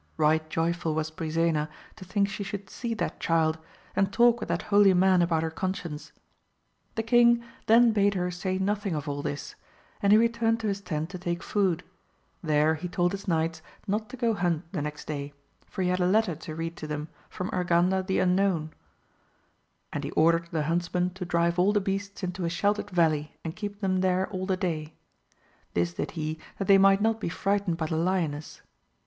Eight joyful was Brisena to think she should see that child, and talk with that holy man about her conscience. The king then bade her say nothing of all this, and he returned to his tent to take food, there he told his knights not to go hunt the next day for he had a letter to read to them from Urganda the Unknown, \1— ^ 260 AMADIS OF GAUL. and he ordered the huntsmen to drive all the beasts into a sheltered valley and keep them there all the day : this did he that they might not be frightened by the lioness.